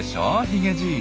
ヒゲじい。